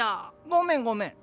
ごめんごめん。